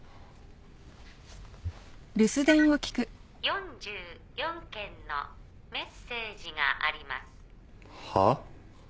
☎「４４件のメッセージがあります」はあ？